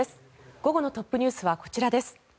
午後のトップＮｅｗｓはこちらです。